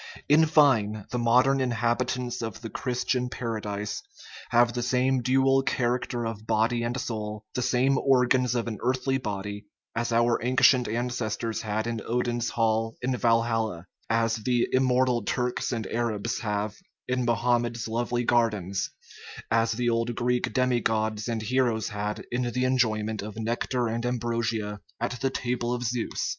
In fine, the modern inhabitants of the Christian Paradise have the same dual character of body and soul, the same organs of an earthly body, as our ancient ancestors had in Odin's Hall in Wal halla, as the "immortal" Turks and Arabs have in Mohammed's lovely gardens, as the old Greek demi gods and heroes had in the enjoyment of nectar and ambrosia at the table of Zeus.